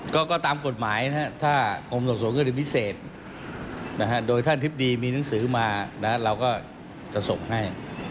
ก็ตามกฎหมายถ้ากรมสอบสวนคดีพิเศษโดยท่านทิบดีมีหนังสือมาเราก็จะส่งให้